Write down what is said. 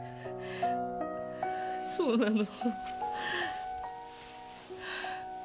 そうなの。